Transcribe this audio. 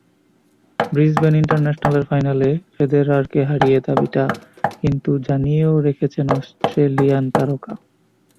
Brisbane ইন্টারন্যাশনালের ফাইনালে ফেদেরারকে হারিয়ে দাবিটা কিন্তু জানিয়েও রেখেছেন অস্ট্রেলিয়ান তারকা।